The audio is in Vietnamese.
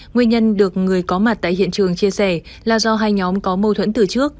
nguyên nhân được người có mặt tại hiện trường chia sẻ là do hai nhóm có mâu thuẫn từ trước